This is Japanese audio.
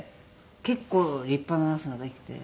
結構立派なナスができて。